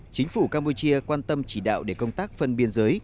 chính phủ campuchia quan tâm chỉ đạo để công tác phân biên giới